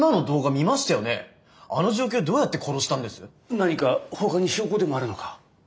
何かほかに証拠でもあるのか？